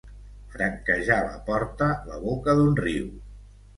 Franquejar la porta, la boca d'un riu.